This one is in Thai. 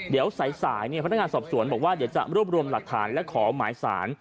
เดี๋ยวสายพนักงานสอบสวนบอกว่าเดี๋ยวจะรวบรวมหลักฐานและขอหมายสาร